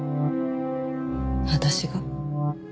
私が？